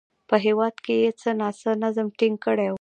په هېواد کې یې څه ناڅه نظم ټینګ کړی و